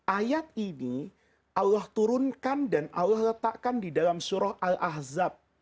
ayat ini allah turunkan dan allah letakkan di dalam surah al ahzab